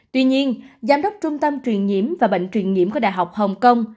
tuy nhiên giám đốc trung tâm truyền nhiễm và bệnh truyền nhiễm của đại học hồng kông